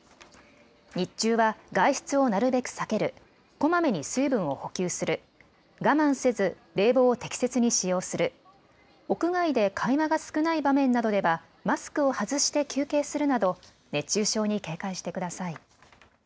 日中は外出をなるべく避ける、こまめに水分を補給する、我慢せず冷房を適切に使用する、屋外で会話が少ない場面などではマスクを外して休憩するなど熱中症に警戒してください。